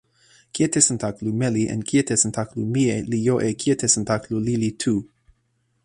kijetesantakalu meli en kijetesantakalu mije li jo e kijetesantakalu lili tu.